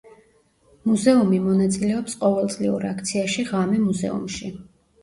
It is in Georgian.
მუზეუმი მონაწილეობს ყოველწლიურ აქციაში „ღამე მუზეუმში“.